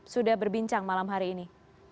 sudah berbincang malam hari ini